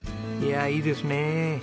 いやいいですね。